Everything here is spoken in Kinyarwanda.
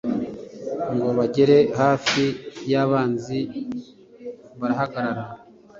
ngo bagere hafi y'abanzi, barahagarara